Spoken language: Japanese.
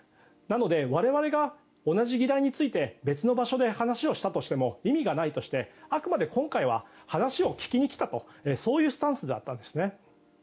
なので、我々が同じ議題について別の場所で話をしたとしても意味がないとしてあくまで今回は話を聞きに来たとそういうスタンスだったんですね。